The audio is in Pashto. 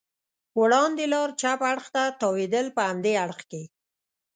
وړاندې لار چپ اړخ ته تاوېدل، په همدې اړخ کې.